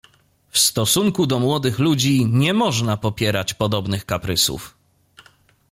"W stosunku do młodych ludzi nie można popierać podobnych kaprysów."